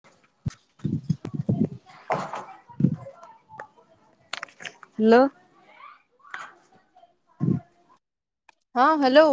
[inaudible] Hello. ହଁ hello.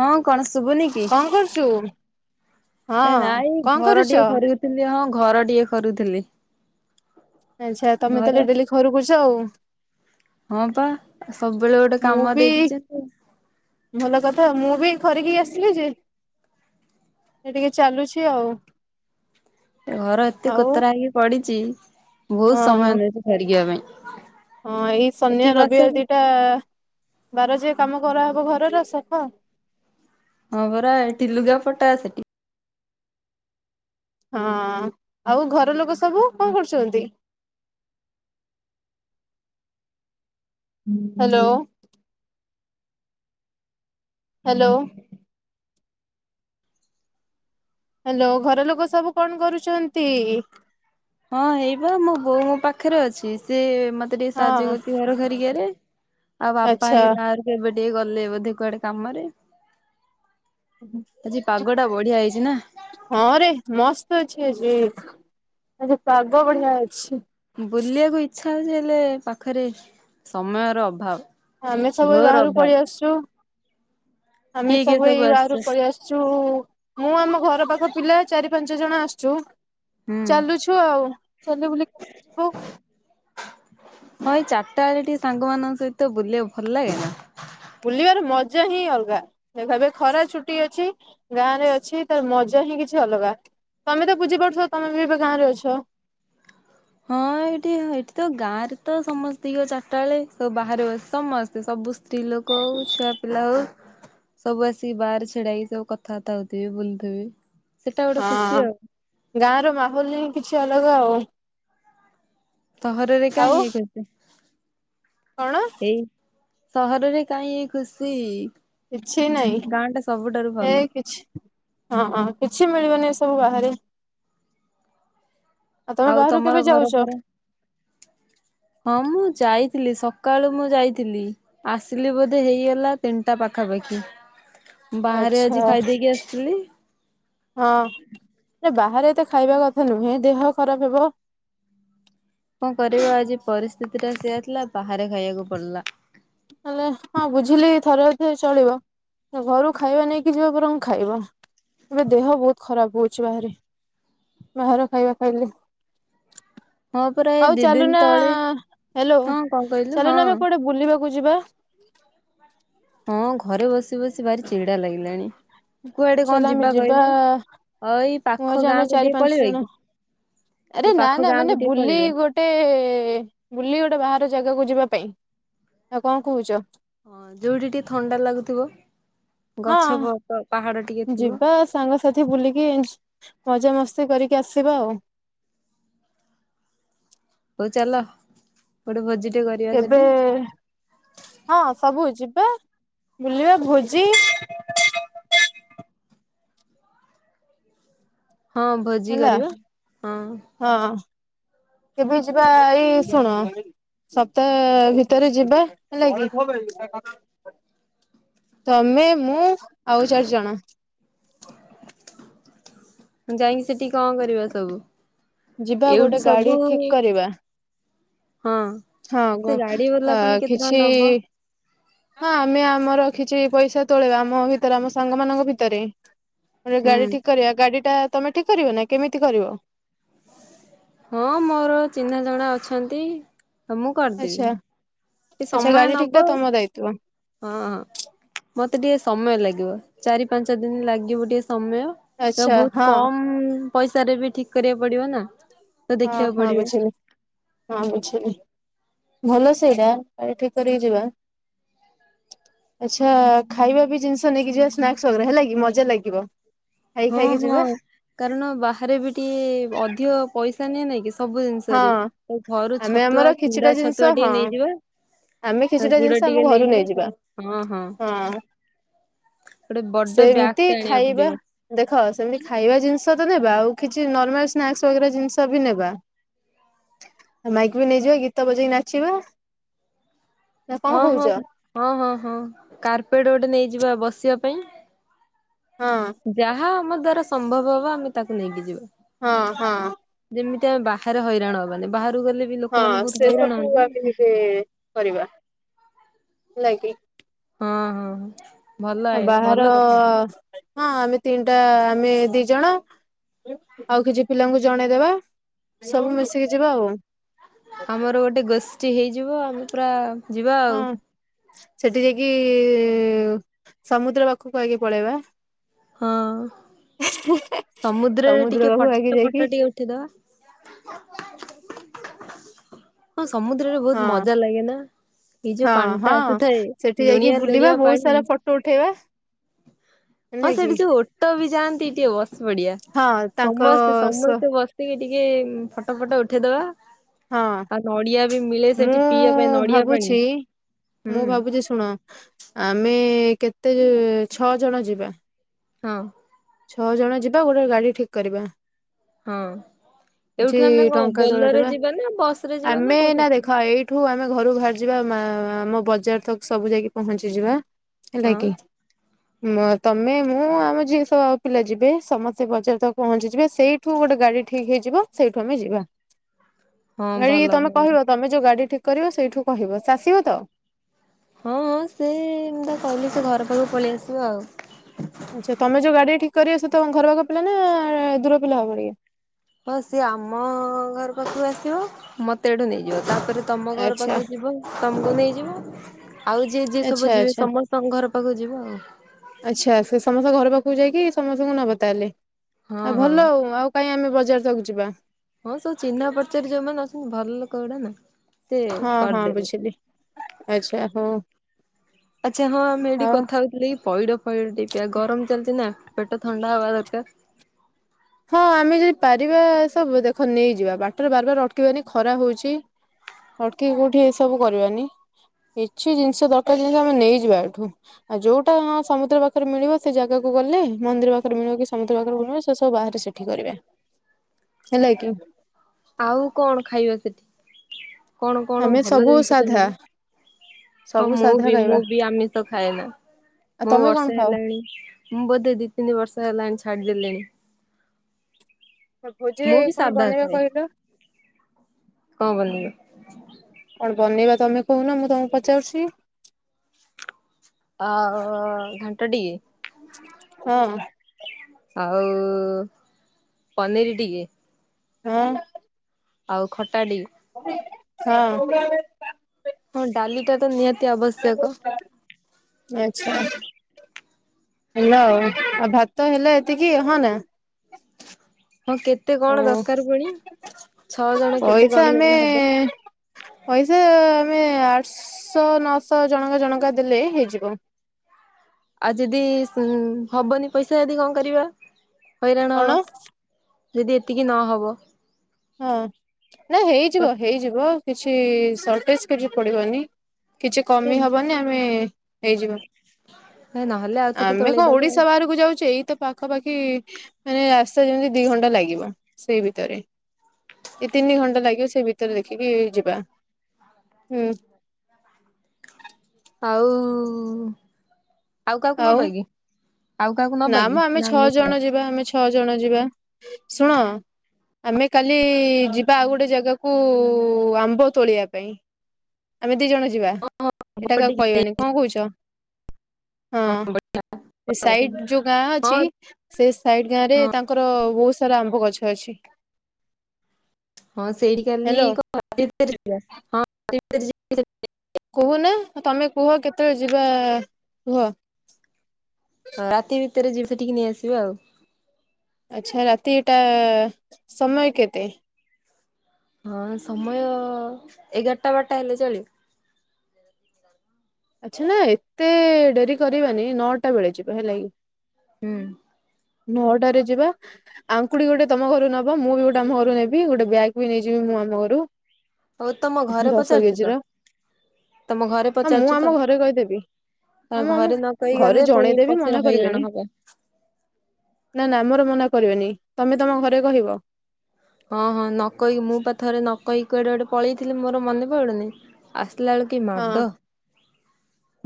ହଁ କଣ ଶୁଭୁନି କି? କଣ କରୁଛୁ? ଏ ହଁ ନାଇଁ କଣ ଘର କରୁଛ? ଟିକେ ଖରୁଥିଲି ହଁ ଘର ଟିକେ ଖରୁକୁ ଥିଲି। ଆଚ୍ଛା ତମେ ତାହେଲେ ଡେଲି ଖରୁକୁଛ ଆଉ। ହଁ ପା ସବୁବେଳେ ଗୋଟେ ମୁଁ କାମ ବି ଦେଇ ଦେଇଛନ୍ତି ଆଉ। ଭଲ କଥା ମୁଁ ବି ଖରିକି କି ଆସିଲି ଯେ। ଏ ଟିକେ ଚାଲୁଛି ଆଉ। ଘର ଏତେ ଆଉ କୋତରା ହେଇକି ପଡ଼ିଛି, ବହୁତ ହଁ ସମୟ ନଉଛି ଖରିକି ବା ପାଇଁ। ହଁ ଏଇ ଶନିବାର, ଏଠି ବସ ରବିବାର ଦିଟା ବାର ଯେ କାମ କରାହେବ ଘରର ସଫା। ହଁ ପରା ଏଠି ଲୁଗା ପଟା ସେଠି ହଁ, ଆଉ ଘର ଲୋକ ସବୁ କଣ କରୁଛନ୍ତି? ହାଲୋ। ହାଲୋ। ହାଲୋ, ଘର ଲୋକ ସବୁ କଣ କରୁଛନ୍ତି? ହଁ ହେଇପା ମୋ ବୋଉ ମୋ ପାଖରେ ଅଛି। ସେ ମତେ ମତେ ଟିକେ ସାହାଯ୍ୟ ହଁ କରୁଛି ଘର ଖରିକିଆରେ, ଆଉ ବାପା ଆଚ୍ଛା ହେଇ ବାହାରୁ କୁ ଏବେ ଟିକେ ଗଲେ ବୋଧେ କୁଆଡେ କାମରେ। ଆଜି ପାଗଟା ବଢିଆ ହେଇଛି ନା? ହଁ ରେ ମସ୍ତ ଅଛି ଆଜି। ଆଜି ପାଗ ବଢ଼ିଆ ଅଛି। ବୁଲିଆକୁ ଇଚ୍ଛା ହଉଛି ହେଲେ, ପାଖରେ ସମୟର ଅଭାବ। ଆମେ ସବୁ ଏହି ଘୋର ବାହାରକୁ ଅଭାବ ପଳେଇ ଆସିଛୁ। ଆମେ କିଏ କିଏ ସବୁ ଏଇ ବାହାରୁ ଆସିଛ? ପଳେଇ ଆସୁ ଛୁ, ମୁଁ ଆମ ଘର ପାଖ ପିଲା ଚାରି ପାଞ୍ଚ ଜଣ ଆସିଛୁ। ହୁଁ ଚାଲୁଛୁ ଆଉ। ଚାଲି ବୁଲି। [unintelligible] ହଁ ଏଇ ଚାରିଟା ବେଳେ ଟିକେ ସାଙ୍ଗମାନଙ୍କ ସହିତ ବୁଲିବାକୁ ଭଲ ଲାଗେନା? ବୁଲିବାର ମଜା ହିଁ ଅଲଗା। ଦେଖ ଏବେ ଖରା ଛୁଟି ଅଛି ଗାଁ ରେ ଅଛି ତାର ମଜା ହିଁ କିଛି ଅଲଗା। ତମେ ତ ବୁଝି ପାରୁଥିବ ତମେ ବି ଏବେ ଗାଁ ରେ ଅଛ। ହଁ ଏଠି ଏଠି ତ ଗାଁ ରେ ତ ସମସ୍ତେ ଚାରିଟା ବେଳେ ସବୁ ବାହାରେ ବସ ସମସ୍ତେ ସବୁ ସ୍ତ୍ରୀଲୋକ ହଉ ଛୁଆ ପିଲା ହଉ ସବୁ ଆସିକି ବାହାରେ ଛିଡ଼ା ହେଇକି ସବୁ କଥାବାର୍ତ୍ତା ହଉଥିବେ, ବୁଲୁଥିବେ। ସେଟା ଗୋଟେ ଖୁସି ହଁ, ଆଉ ଗାଁ ର ମାହୋଲ ହିଁ କିଛି ଅଲଗା ଆଉ। ସହରରେ ଆଉ କାହିଁ ଏ ଖୁସି? କଣ? ଏଇ ସହରରେ କାହିଁ ଏଇ ଖୁସି? କିଛି ନାହିଁ। ଗାଁ ଟା ସବୁଠାରୁ ଭଲ [unintelligible] ହଁ ହଁ, କିଛି ମିଳିବନି ଏ ସବୁ ବାହାରେ। ଆଉ ତମେ ବାହାରକୁ ତମର କେବେ ଘର ଯାଉଛ? ଫର ହଁ ମୁଁ ଯାଇଥିଲି ସକାଳୁ ମୁଁ ଯାଇଥିଲି। ଆସିଲି ବୋଧେ ହେଇଗଲା ତିନିଟା ପାଖାପାଖି। ବାହାରେ ଆଚ୍ଛା ଆଜି ଖାଇ ଦେଇକି ଆସିଥିଲି। ହଁ ନାଁ ବାହାରେ ଏତେ ଖାଇବା କଥା ନୁହେଁ ଦେହ ଖରାପ୍ ହବ। କଣ କରିବା ଆଜି ପରିସ୍ଥିତିଟା ସେଆ ଥିଲା ବାହାରେ ଖାଇଆକୁ ପଡ଼ିଲା। ହେଲେ ହଁ ବୁଝିଲି ଥରେ ଅଧେ ଚଳିବ। ଘରୁ ଖାଇବା ନେଇକି ଯିବା ବରଂ ଖାଇବ ଏବେ ଦେହ ବହୁତ୍ ଖରାପ୍ ହଉଚି ବାହାରେ। ବାହାର ଖାଇବା ଖାଇଲେ। ହଁ ପରା ଏ ଆଉ ଦି ଦିନ ଚାଲୁନ ତଳେ ହାଲୋ ହଁ କଣ କହିଲୁ ଚାଲୁନ ଆମେ ହଁ। କୁଆଡ଼େ ବୁଲିବାକୁ ଯିବା? ହଁ ଘରେ ବସି ବସି ଭାରି ଚିଡ଼ା ଲାଗିଲାଣି। କୁଆଡେ କଣ ଚାଲ ଆମେ ଯିବା କହିଲୁ? ଅ ଏଇ ପାଖ ମୁଜି ଆମେ ଗାଁକୁ ଚାରି ଟିକେ ପାଞ୍ଚ ପଳେଇବା ଜଣ। କି ଏଇ ଆରେ ନା ପାଖ ନା ଗାଁକୁ ମାନେ ଟିକେ ବୁଲି ପଳେଇବା। ଗୋ ଟେ ବୁଲି ଗୋଟେ ବାହାର ଜାଗାକୁ ଯିବା ପାଇଁ ନାଁ କଣ କହୁଚ? ହଁ ଯୋଉଠି ଟିକେ ଥଣ୍ଡା ଲାଗୁଥିବ ହଁ ଗଛ ପ ପ ପାହାଡ଼ ଟିକେ ଥିବ। ଯିବା ସାଙ୍ଗସାଥି ବୁଲିକି ମଜା ମସ୍ତି କରିକି ଆସିବା ଆଉ। ହଉ ଚାଲ। ଗୋଟେ ଭୋଜିଟେ କରି କେବେ ହଁ ସବୁ ଯିବା ବୁଲିବା ଭୋଜି ହଁ ଭୋଜି ହେଲା କରିବା ହଁ। ହଁ। କେବେ ଯିବା ଏଇ ଶୁଣ ସପ୍ତାହ ଭିତରେ ଯିବା। ହେଲାକି ତମେ ମୁଁ ଆଉ ଚାରି ଜଣ [inaudible] ଯାଇକି ସେଠି କଣ କରିବ ସବୁ? ଯିବା ଗୋଟେ ଏଇଠୁ ଗାଡ଼ି ସବୁ ଠିକ୍ କରିବା। ହଁ ହଁ ଗୋ ସେଗାଡ଼ି ବାଲା ପୁଣି କେତେ ଟଙ୍କା ନବ? ନାଁ ଆମେ ଆମର କିଛି ପଇସା ତୋଳେଇବା ଆମ ଭିତରେ ଆମ ସାଙ୍ଗ ମାନଙ୍କ ଭିତରେ। ଗୋଟେ ହୁଁ ଗାଡ଼ି ଠିକ୍ କରିବା ଗାଡ଼ିଟା ତମେ ଠିକ୍ କରିବନା କେମିତି କରିବ। ହଁ ମୋର ଚିହ୍ନା ଜଣା ଅଛନ୍ତି ତମୁଁ କରିଦେବି। ଆଚ୍ଛା ଟି ଆଚ୍ଛା ସମୟ ଗାଡି ଠିକ ଟା ନବ ଆଉ। ତମ ଦାୟିତ୍ଵ ହଁ ମତେ ଟିକେ ସମୟ ଲାଗିବ ଚାରି ପାଞ୍ଚ ଦିନି ଲାଗିବ ଟିକେ ସମୟ। ଆଚ୍ଛା ତବହୁତ୍ ହଁ କମ୍ ପଇସାରେବି ଠିକ୍ କରିବାକୁ ପଡ଼ିବ ନା। ତ ହଁ ଦେଖିବାକୁ ହଁ ପଡିବ ବୁଝିଲି। ହଁ ବୁଝିଲି ଭଲ ସେଇଟା ଆଗେ ଠିକ୍ କରିକି ଯିବା। ଆଚ୍ଛା ଖାଇବାବି ଜିନିଷ ନେଇକି ଯିବା ସ୍ନାକ୍ ବଗେରା ହେଲାକି ମଜା ଲାଗିବ। ଖାଇ ହଁ ଖାଇକି ହଁ ଯିବା। କାରଣ ବାହାରେବି ଟିକେ ଅଧିକ ପଇସା ନିଏ ନାଇଁ କି ସବୁ ହଁ ଜିନିଷରେ ଆଉ ଘରୁ ଆମେ ଛତୁଆ ଆମର କିଛିଟା ଚୁଡ଼ା ଛତୁଆ ଜିନିଷ ହଁ ଟିକେ ନେଇଯିବା। ଆମେ ତ କିଛିଟା ଜିନିଷ ଗୁଡ଼ ଆମ ଟିକେ ଘରୁ ନେଇଯିବା ହଁ ହଁ। ଗୋଟେ ବଡ ବ୍ୟାଗ୍ ସେମିତି ଟେ ଆଣିବାକୁ ଖାଇବା ପଡିବ ଦେଖ ସେମିତି ଖାଇବା ଜିନିଷତ ନେବା ଆଉ କିଛି ନର୍ମାଲ ସ୍ନାକ୍ସ ବଗେରା ଜିନିଷବି ନେବା। ଆଉ ମାଇକବି ନେଇଯିବା ଗୀତ ବଜେଇି ନାଚିବା। ନା କଣ ହଁ ହଁ କହୁଛ ହଁ ହଁ ହଁ କାର୍ପେଟ ଗୋଟେ ନେଇଯିବା ବସିବା ପାଇଁ। ହଁ। ଯାହା ଆମ ଦ୍ଵାରା ସମ୍ଭବ ହବ ଆମେ ତାକୁ ନେଇକି ଯିବା। ହଁ ହଁ। ଯେମିତି ଆ ବାହାରେ ହଇରାଣ ହବାନି ବାହାରକୁ ଗଲେ ବି ହଁ ଲୋକମାନେ ବହୁତ ସେ ହଇରାଣ ସବୁ ହୁଅନ୍ତି ଆମେ ନା। ଏବେ କରିବା ହେଲା କି? ହଁ ହଁ। ଭଲ ଆଇଆ ଭଲ ବାହାର କଥା। ହଁ ଆମେ ତିନିଟା ଆମେ ଦି ଜଣ ଆଉ କିଛି ପିଲାଙ୍କୁ ଜଣେଇଦବା ସବୁ ମିଶିକି ଯିବା ଆଉ। ଆମର ଗୋଟେ ଗୋଷ୍ଠୀ ହେଇଯିବ ଆମେ ପୁରା ଯିବା ହଁ ଆଉ। ସେଠି ଯାଇକି ସମୁଦ୍ର ପାଖକୁ ଆଗେ ପଳେଇବା। ହଁ ସମୁଦ୍ରରେ ସମୁଦ୍ର ଟିକେ ପାଖକୁ ଆଗେ ଫଟ ଯାଇକି ଫଟ ଟିକେ ଉ ଇଦବା। [inaudible] ହଁ ସମୁଦ୍ରରେ ବହୁତ ହଁ ମଜା ଲାଗେ ନା। ଏଇ ଯୋଉ ହଁ ପାଣି ଟା ହଁ ଆସୁଥାଏ ସେଠି ଯାଇକି ଲୁଣିଆ ବୁଲିବା ଲୁଣିଆ ବହୁତ ପାଣି। ସାରା ଫଟୋ ଉଠେଇବା। ହଁ ହେଲା ସେଇଟି କି ଯୋଉ ଓଟୋ ବି ଯାଆନ୍ତି ଟିଏ ବସି ପଡିବା ହଁ ତାଙ୍କ ସମସ୍ତେ ସ ସମସ୍ତେ ବସି କି ଟିକେ ଟିକେ ଫଟ ଫଟ ଉଠେଇଦବା। ହଁ ଆଉ ନଡିଆ ବି ମିଳେ ମୁଁ ସେଠି ପିଇବା ପାଇଁ ନଡିଆ ପାଣି ହୁଁ। ଯେ ଶୁଣ ଆମେ କେତେ ଯୋ ଛଅ ଜଣ ଯିବା? ହଁ। ଛଅ ଜଣ ଯିବା ଗୋଟେ ଗାଡି ଠିକ୍ କରିବା। ହଁ କିଛି ଏଇଠୁ ଆମେ କୋ ଟଙ୍କା ବୋଲରରେ ତୋଳେଇଦବା ଯିବା ନା ବସ୍ ରେ ଯିବା ନା କୋଉତିରେ ଯିବା। ଠୁ ଆମେ ଘରୁ ବାହାରି ଯିବା ମା ଆମ ବଜାର ତକ୍ ସବୁ ଯାଇକି ପହଞ୍ଚିଯିବା ହେଲା କି? [unintelligible] ମ ତମେ ମୁଁ ଆମ ଯିଏ ସବୁ ଆଉ ପିଲା ଯିବେ ସମସ୍ତେ ବଜାର ତାକୁ ପହଞ୍ଚିଯିବେ ସେଇ ଠୁ ଗୋଟେ ଗାଡି ଠିକ୍ ହେଇଯିବ ସେଇଠୁ ଆମେ ଯିବା ହଁ ଭଲ ଗାଡିକି ତମେ ଭଲ କହିବ ତମେ ଯୋଉ ଗାଡି ଠିକ୍ କରିବ ସେଇଠୁ କହିବ ସେ ଆସିବ ତ? ହଁଁ ହଁ ସେ ମୁ ତାକୁ କହିଲେ ସେ ଘର ପାଖକୁ ପଳେଇ ଆସିବ ଆଉ। ଆଚ୍ଛା ତମେଯୋଉ ଗାଡି ଠିକ୍ କରିବ ସେ ତମ ଘର ପାଖ ପିଲା ନା ଦୂର ପିଲା ହବ ଟିକେ। ହଁ ସିଏ ଆମ ଘର ପାଖକୁ ଆସିବ ମତେ ଏଠୁ ନେଇଯିବ ତାପରେ ତମ ଘର ଆଚ୍ଛା ପାଖକୁ ଯିବ ତମକୁ ନେଇଯିବ। ଆଉ ଯିଏ ଯିଏ ଆଚ୍ଛା ସବୁ ଯିବେ ଆଚ୍ଛା ସମସ୍ତଙ୍କ ଘର ପାଖକୁ ଯିବ ଆଉ। ଆଚ୍ଛା ସେ ସମସ୍ତ ଘର ପାଖକୁ ଯାଇକି ସମସ୍ତଙ୍କୁ ନବ ତାହାଲେ ହଁ ଆଉ ହଁ ଭଲ ଆଉ ଆଉ କାଇଁ ଆମେ ବଜାର ତାକୁ ଯିବା? ହଁ ସବ୍ ଚିହ୍ନା ପରିଚରେ ଯୋଉମାନେ ଅଛନ୍ତି ଭଲ ଲୋକ ଉଡା ନା। ସେ ହଁ ହଁ କରିଦେବେ। ବୁଝିଲି ଆଚ୍ଛା ହଉ। ଆଚ୍ଛା ହଁ ଆମେ ଏଇଠି ଆଉ କଥା ହଉ ମୁଁ କଲି ଏ ପଇଡ ଫଇଡ଼ ଟିଏ ପିଆ ଗରମ ଚାଲିଛି ନା ପେଟ ଥଣ୍ଡା ହବା ଦରକାର। ହଁ ଆମେ ଯଦି ପାରିବା ସବୁ ଦେଖ ନେଇଯିବା ବାଟରେ ବାରବାର ଅଟକିବାନି ଖରା ହଉଚି। ଅଟ୍କିକି କୋଉଠି ଏସବୁ କରିବାନି କିଛି ଜିନିଷ ଦରକାର ଜିନିଷ ଆମେ ନେଇଯିବା ଏଠୁ। ଆ ଯୋଉଟା ହଁ ସମୁଦ୍ର ପାଖରେ ମିଳିବ ସେ ଜାଗାକୁ ଗଲେ ମନ୍ଦିର ପାଖରେ ମିଳିବ କି ସମୁଦ୍ର ପାଖରେ ମିଳିବ ସେ ସ ସବୁ ବାହାରେ ସେଠି କରିବା ହେଲା କି? ଆଉ କଣ ଖାଇବା ସେଠି କଣ କଣ ଆମେ ଭଲ ସବୁ ଜିନିଷ ସେ ସାଧା ମିଳେ। ହଁ ସବୁ ମୁଁ ସାଧା ବି ମୁଁ ଖାଇବା ବି ଆମିଷ ଖାଏନା ଆଉ ମୁଁ ତମେ କଣ ବର୍ଷେ ଖାଅ? ହେଲାଣି ମୁଁ ବୋଧେ ଦି ତିନି ବର୍ଷ ହେଲାଣି ଛାଡିଦେଲିଣି। ଆ ଭୋଜି ମୁଁ ବି କଣ ସାଧା ବନେଇବା କହିଲ? କଂ ବନେଇବା? କଣ ବନେଇବା ତମେ କହୁନ ମୁଁ ତମକୁ ପଚାରୁଚି? ଆଉ ଘାଣ୍ଟ ଟିକେ ହଁ। ଆଉ ପନିରି ଟିକେ ହଁ। ଆଉ ଖଟା ଟିକେ। ହଁ। ହଁ ଡାଲି ଟା ତ ନିହାତି ଆବଶ୍ୟକ। ଆଚ୍ଛା ହେଲା ଆଉ ଆଉ ଭାତ ହେଲା ଏତିକି ହଁ ନା! ହଁ କେତେ ଓ କଣ ଦରକାର ପୁଣି, ଛଅ ଜଣ କେତେ ପଇସା କଣ ନେଲେ ହବ? ଆମେ ପଇସା ଆମେ ଆଠ ଶହ ନଅଶହ ଜଣକା ଜଣକା ଦେଲେ ହେଇଯିବ। ଆଉ ଯଦି ଉଁ ହବନି ପଇସା ଯଦି କଣ କରିବା ହଇରାଣ କଣ ହବା। ଯଦି ଏତିକି ନ ହବ? ହଁ ନା ହେଇଯିବ ହେଇଯିବ କିଛି ସର୍ଟେଜ୍ କିଛି ପଡିବନି। କିଛି କମି ହବନି ଆମେ ହେଇଯିବ। ନହେଲେ ଆଉ ଥରେ ଆମେ କଣ ତୋଳେଇଦବା ଓଡିଶା ବାହାରକୁ ଯାଉଛେ ଏଇ ତ ପାଖାପାଖି ମାନେ ରାସ୍ତା ଯେମିତି ଦି ଘଣ୍ଟା ଲାଗିବ ସେଇ ଭିତରେ। ଦି ତିନି ଘଣ୍ଟା ଲାଗିବ ସେଇ ଭିତରେ ଦେଖିକି ଯିବା। ହୁଁ। ଆଉ, ଆଉ କାହାକୁ ନବା କି? ଆଉ କାହାକୁ ନା ନବା କି ମ ଆମେ ଛଅ ଛାଡ। ଜଣ ଯିବା ଆମେ ଛଅ ଜଣ ଯିବା ଶୁଣ ଆମେ କାଲି ଯିବା ଆଉ ଗୋଟେ ଜାଗାକୁ ଆମ୍ବ ତୋଳିବା ପାଇଁ। ଆମେ ଦି ଜଣ ଯିବା ଏଇଟା କାହାକୁ କହିବାନି କଣ କହୁଛ? ହଁ ଏ ସାଇଡ୍ ଯୋଉ ଗାଁ ହଁ ହଁ ଅଛି ସେ ସାଇଡ ଗାଁରେ ହଁ ତାଙ୍କର ବହୁତ ସାରା ଆମ୍ବ ଗଛ ଅଛି। ହଁ ସେଇଠି କାଲି ହ୍ୟାଲୋ [unintelligible] କହୁନା ତମେ କୁହ କେତେବେଳେ ଯିବା କୁହ? ହଁ ରାତି ଭିତରେ ଯିବା ସେଠିକି ନେଇ ଆସିବା ଆଉ। ଆଚ୍ଛା ରାତିଟା, ସମୟ କେତେ? ହଁ ସମୟ ଏଗାରଟା ବାରଟା ହେଲେ ଚଳିବ? ଆଚ୍ଛା ନା ଏତେ ଡେରି କରିବାନି ନଅଟା ବେଳେ ଯିବ ହେଲା କି! ହୁଁ। ନଅଟାରେ ଯିବା ଆଙ୍କୁଡି ଗୋଟେ ତମ ଘରୁ ନବ ମୁଁ ବି ଗୋଟେ ଆମ ଘରୁ ନେବି ଗୋଟେ ବ୍ୟାଗ୍ ବି ନେଇଯିବି ମୁଁ ଆମ ଘରୁ। ହଉ ତମ ଘରେ ଦଶ ପଚାରିଛୁ କେଜି ତ ର ତମ ଘରେ ହଁ ମୁଁ ପଚାରିଚ ଆମ ଘରେ କହିଦେବି ଆମ ଆମ ନ କହି ଘରେ ଗଲେ ପୁଣି ଜଣେଇଦେବି ପଛରେ ମନା ହଇରାଣ କରିବେନି। ହବ। ନା ନା ଆମର ମନା କରିବେନି ତମେ ତମ ଘରେ କହିବ। ହଁ ହଁ ନ କହିକି ମୁଁ ପା ଥରେ ନ କହିକି କୁଆଡେ ଗୋଟେ ପଳେଇଥିଲି ମୋର ମନେ ପଡୁନି ଆସିଲା ବେଳକୁ କି ହଁ ମାଡ।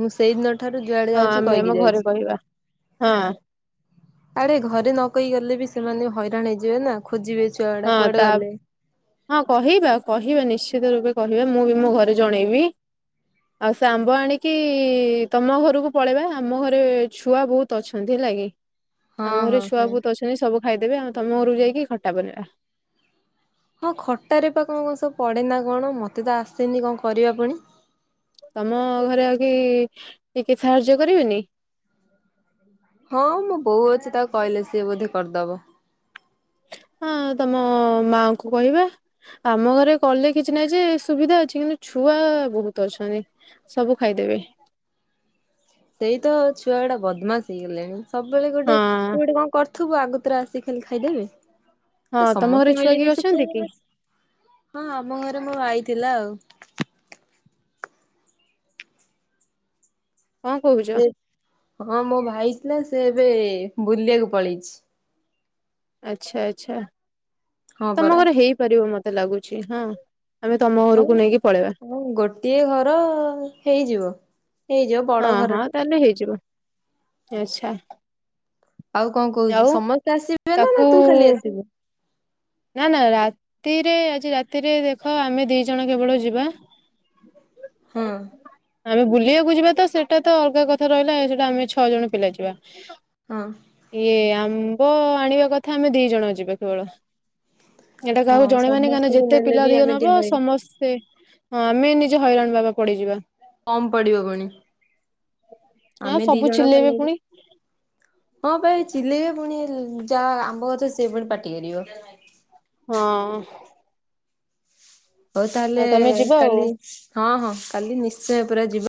ମୁଁ ସେଇଦିନ ଠାରୁ ଯୁଆଡେ ହଁ ଯାଉଛି ଆମେ ଆମ କହିକି ଘରେ ଯାଉଛି। କହିବା ହଁ ଆଡେ ଘରେ ନକହିକି ଗଲେ ବି ସେମାନେ ହଇରାଣ ହେଇଯିବେ ନା ଖୋଜିବେ ଛ ହଁ ତା ହଁ କହିବା କହିବା ନିଶ୍ଚିତ ରୂପେ କହିବା ମୁଁ ବି ମୋ ଘରେ ଜଣେଇବି। ଆଉ ସେ ଆମ୍ବ ଆଣିକି ତମ ଘରକୁ ପଳେଇବା ଆମ ଘରେ ଛୁଆ ବହୁତ ଅଛନ୍ତି ହେଲା କିି ଆମ ହଁ ଘରେ ହଁ ଛୁଆ ହଁ। ବହୁତ ଅଛନ୍ତି ସବୁ ଖାଇଦେବେ ଆଉ ତମ ଘରକୁ ଯାଇକି ଖଟା ବନେଇବା। ହଁ ଖଟାରେ ପା କଣ କଣ ସବୁ ପଡ଼େନା କଣ ମୋତେ ତ ଆସେନି କଣ କରିବା ପୁଣି? ତମ ଘରେ ଆଉ କେହି ଟିକେ ସାହାଯ୍ୟ କରିବେନି? ହଁ ମୋ ବୋଉ ଅଛି ତାକୁ କହିଲେ ସିଏ ବୋଧେ କରିଦବ। ହଁ ତମ ମାଆଙ୍କୁ କହିବା। ଆମ ଘରେ କଲେ କିଛି ନାହିଁ ଯେ ସୁବିଧା ଅଛି କିନ୍ତୁ ଛୁଆ ବହୁତ ଅଛନ୍ତି। ସବୁ ଖାଇଦେବେ। ସେଇ ତ ଛୁଆଗୁଡା ବଦମାସ୍ ହେଇଗଲେଣି ସବୁବେଳେ ଗୋଟେ ହଁ ତୁ ଗୋଟେ କଣ କରିଥିବୁ ଆଗତୁରା ଆସିକି ଖାଲି ଖାଇଦେବେ ହଁ ତ ତମ ଘରେ ସମସ୍ତେ ଛୁଆ କିଏ ମିଳିମିଶି ଅଛନ୍ତି ଖାଇବେ କି? ନା। ହଁ ଆମ ଘରେ ମୋ ଭାଇ ଥିଲା ଆଉ। କଣ କହୁଛ? ସେ ହଁ ମୋ ଭାଇ ଥିଲା ସେ ଏବେ ବୁଲିବାକୁ ପଳେଇଛି। ଆଚ୍ଛା ଆଚ୍ଛା। ହଁ ତମ ପରା। ଘରେ ହେଇପାରିବ ମତେ ଲାଗୁଛି ହଁ ଆମେ ତମ ହଉ ଘରକୁ ନେଇକି ପଳେଇବା। ହଁ ଗୋଟିଏ ଘର ହେଇଯିବ। ହେଇଯିବ ହଁ ବଡ ହଁ ଘରଟେ ତାହେଲେ ହେଇଯିବ ଆଚ୍ଛା। ଆଉ କଣ କହୁଚୁ ଆଉ ସମସ୍ତେ ଆସିବେ ନା ତାକୁ ନା ତୁ ଖାଲି ଆସିବୁ? ନା ନା ରାତିରେ ଆଜି ରାତିରେ ଦେଖ ଆମେ ଦି ଜଣ କେବଳ ଯିବା। ହଁ। ଆମେ ବୁଲିବାକୁ ଯିବା ତ ସେଟା ତ ଅଲଗା କଥା ରହିଲା ସେଟା ଆମେ ଛଅ ଜଣ ପିଲା ଯିବା। ହଁ। ଇଏ ଆମ୍ବ ଆଣିବା କଥା ଆମେ ଦି ଜଣ ଯିବା କେବଳ। ଏଟା କାହାକୁ ହଁ ଜଣେଇିବାନି କାହିଁକି ନା ସମସ୍ତଙ୍କୁ ଯେତେ ନେଲେ ପିଲା ବି ଅଧିକା ଆମେ ନବ ଟିକେ ହଇରାଣ ସମସ୍ତେ ହଁ, ଆମେ ନିଯେ ହଇରାଣ ବାବା ପଡିଯିବା। କମ ପଡିବ ପୁଣି, ହଁ ଆମେ ଦି ସବୁ ଜଣ ଚିଲେଇବେ ଖାଲି ପୁଣି ହଁ, ପା ଏଇ ଚିଲେଇବେ ପୁଣି ଯା ଆମ୍ବଗଛ ସିଏ ପୁଣି ପାଟି କରିବ। ହଁ ଅଁ। ହଉ ତାହେଲେ ଆଉ ତମେ ଯିବ ଆଉ କାଲି, ହଁ ହଁ କାଲି ନିଶ୍ଚୟ ପୁରା ଯିବା।